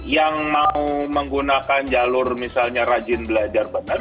yang mau menggunakan jalur misalnya rajin belajar benar